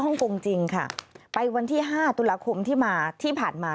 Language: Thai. กงจริงค่ะไปวันที่ห้าตุลาคมที่มาที่ผ่านมา